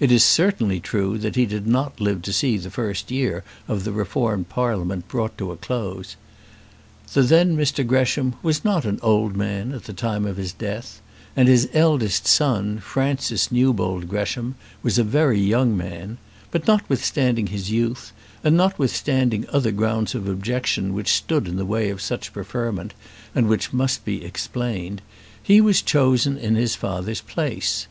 It is certainly true that he did not live to see the first year of the reformed Parliament brought to a close. The then Mr Gresham was not an old man at the time of his death, and his eldest son, Francis Newbold Gresham, was a very young man; but, notwithstanding his youth, and notwithstanding other grounds of objection which stood in the way of such preferment, and which must be explained, he was chosen in his father's place.